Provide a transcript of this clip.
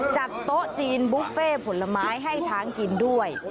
จัดโต๊ะจีนบุฟเฟ่ผลไม้ให้ช้างกินด้วย